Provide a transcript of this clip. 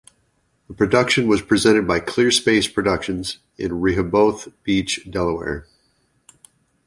The production was presented by Clear Space Productions in Rehoboth Beach, Delaware.